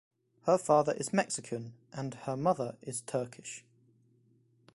Her father is Mexican and her mother is Turkish.